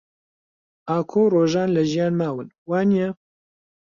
ئاکۆ و ڕۆژان لە ژیان ماون، وانییە؟